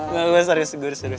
gak boleh serius